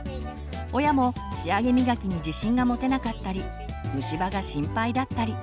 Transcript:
親も仕上げみがきに自信が持てなかったり虫歯が心配だったり。